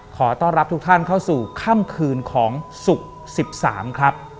ขอต้อนรับทุกท่านเข้าสู่ค่ำคืนของศุกร์๑๓ครับ